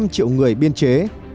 hai năm triệu người biên chế